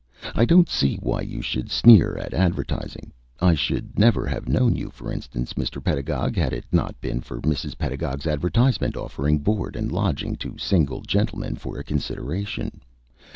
I don't see why you should sneer at advertising. I should never have known you, for instance, Mr. Pedagog, had it not been for Mrs. Pedagog's advertisement offering board and lodging to single gentlemen for a consideration.